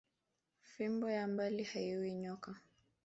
Fimbo ya mbali hayiuwi nyoka